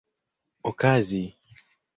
okazi